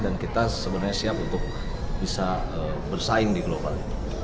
dan kita sebenarnya siap untuk bisa bersaing di global